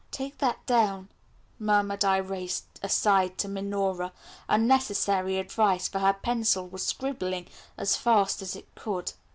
"Take that down," murmured Irais aside to Minora unnecessary advice, for her pencil was scribbling as fast as it could.